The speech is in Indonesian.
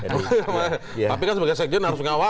tapi kan sebagai sekjen harus mengawasi